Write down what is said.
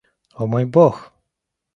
О мой бог!